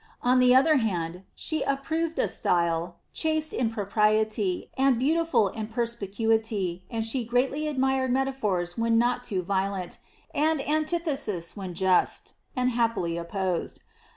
On the other hand, she approved a style, chaste in propriety, and beau tiful in perspicuity, and she greatly admired metaphors when not too violent, and antitheses when just, and happily opposed.